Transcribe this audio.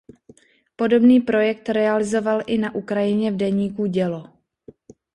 Podobný projekt realizoval i na Ukrajině v deníku Dělo.